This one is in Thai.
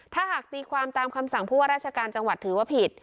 ถ้าหากตีความตามคำสั่งผู้ว่าราชการจังหวัดถือว่าผิด